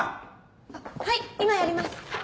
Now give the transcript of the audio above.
あっはい今やります！